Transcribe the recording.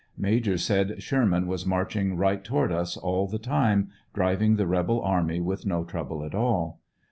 Major said Sherman was marching right toward us all the time, driving the rebel army with no trouble at all.